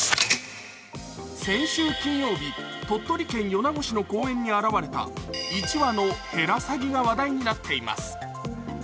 先週金曜日、鳥取県米子市の公園に現れた１羽のヘラサギが話題になっています。